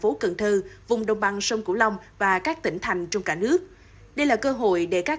phố cần thơ vùng đồng bằng sông cửu long và các tỉnh thành trong cả nước đây là cơ hội để các